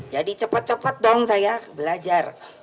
jadi cepet cepet dong saya belajar